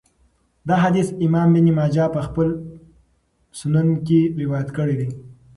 دا حديث امام ابن ماجه په خپل سنن کي روايت کړی دی .